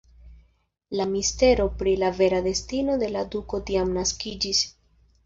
La mistero pri la vera destino de la duko tiam naskiĝis.